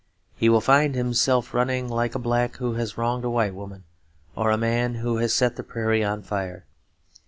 He will find himself running like a nigger who has wronged a white woman or a man who has set the prairie on fire.